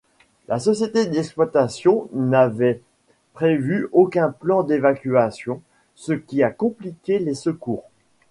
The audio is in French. La société d'exploitation n'avait prévu aucun plan d'évacuation, ce qui a compliqué les secours.